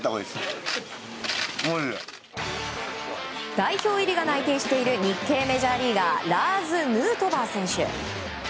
代表入りが内定している日系メジャーリーガーラーズ・ヌートバー選手。